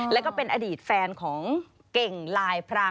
แล้วก็เป็นอดีตแฟนของเก่งลายพราง